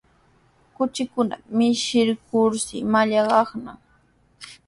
Kuchikunata michikurshi mallaqnanaq.